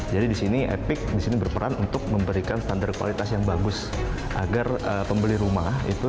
jadi di sini epic di sini berperan untuk memberikan standar kualitas yang bagus agar pembeli rumah itu